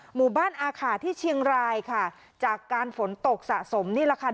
หมู่บ้านอาขาที่เชียงรายค่ะจากการฝนตกสะสมนี่แหละค่ะ